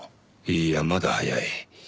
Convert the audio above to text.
いいやまだ早い。